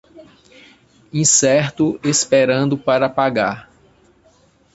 Incerto esperando para pagar